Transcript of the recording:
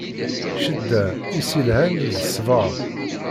Ccedda, i s-ilhan, d ṣṣbeṛ.